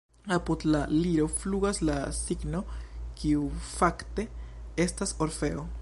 Apud la liro flugas la Cigno, kiu fakte estas Orfeo.